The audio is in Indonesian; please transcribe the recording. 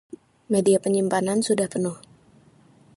Media penyimpanan sudah penuh.